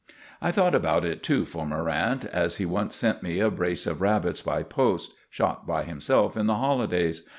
I thought about it too for Morrant, as he once sent me a brace of rabbits by post, shot by himself in the holidays.